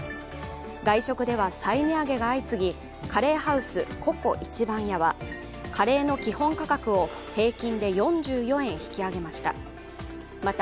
外食では再値上げが相次ぎ、カレーハウスＣｏＣｏ壱番屋はカレーの基本価格を平均で４４円引き上げました。